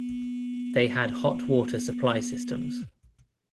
They had hot water supply systems.